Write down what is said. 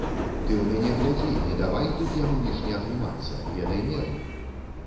Ты ў мяне глядзі, не давай тут яму лішне абнімацца, ведай меру.